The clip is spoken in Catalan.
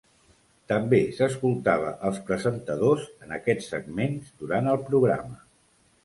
També s'escoltava els presentadors en aquests segments durant el programa.